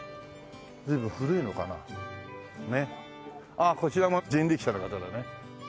あっこちらも人力車の方だね。